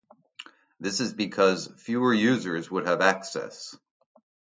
This is because fewer users would have access.